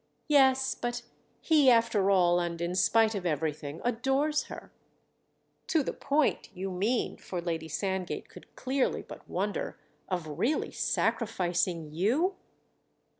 "Yes—but he after all and in spite of everything adores her." "To the point, you mean"—for Lady Sandgate could clearly but wonder—"of really sacrificing you?"